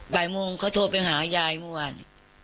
บ่ายโมงเขาโทรไปหายายเมื่อวาน